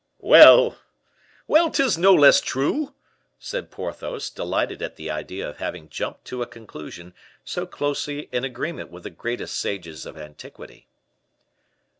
"Well, well, 'tis no less true," said Porthos, delighted at the idea of having jumped to a conclusion so closely in agreement with the greatest sages of antiquity.